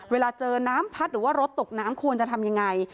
เวลาเจอน้ำพัดหรือว่ารถตกน้ำควรจะทำยังไง